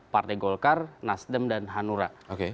partai golkar nasdem dan hanura